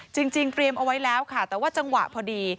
จริงเตรียมเอาไว้แล้วค่ะแต่ว่าจังหวะพอดี